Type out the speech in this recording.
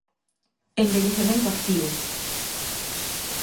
¡Envellecemento activo!